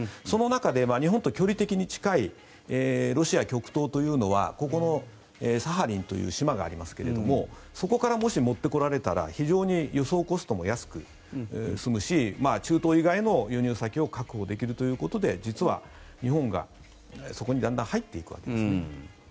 その中で日本と距離的に近いロシア、極東というのはここのサハリンという島がありますがそこからもし、持ってこられたら非常に輸送コストも安く済むし中東以外の輸入先を確保できるということで実は、日本がそこにだんだん入っていくわけです。